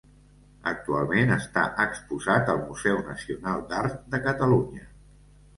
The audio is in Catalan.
Actualment està exposat al Museu Nacional d'Art de Catalunya.